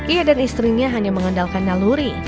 ia dan istrinya hanya mengandalkan naluri